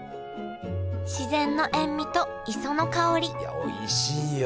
自然の塩味と磯の香りいやおいしいよ。